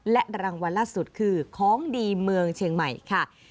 และรางวัลล่าสุดคือของดีเมืองเชียงใหม่ค่ะ